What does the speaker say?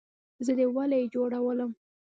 زه دې ولۍ جوړولم؟